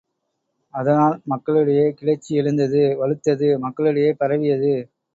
அதனால் மக்கள் இடையே கிளர்ச்சி எழுந்தது வலுத்தது மக்களிடையே பரவியது.